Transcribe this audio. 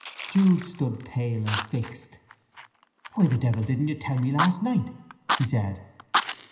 Jude stood pale and fixed. "Why the devil didn't you tell me last, night!" he said.